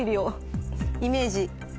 イメージ。